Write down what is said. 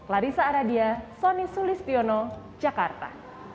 larissa aradia soni sulistiono jakarta